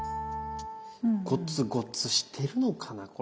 ごつごつしてるのかな？